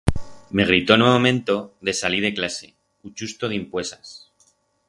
Me gritó en o momento de salir de clase, u chusto dimpuesas.